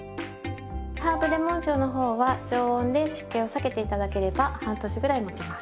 ハーブレモン塩の方は常温で湿気を避けて頂ければ半年ぐらいもちます。